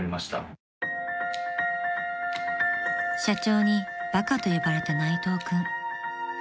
［社長にバカと呼ばれた内藤君］